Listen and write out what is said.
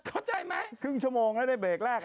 ก็ไม่รู้จะไปตอบยังไง